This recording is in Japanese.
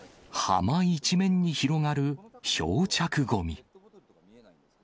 浜一面に広がる漂着ごみ。